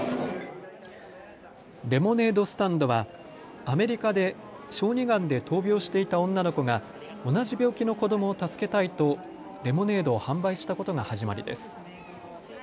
レモネードスタンドはアメリカで小児がんで闘病していた女の子が同じ病気の子どもを助けたいとレモネードを販売したことが始まりです。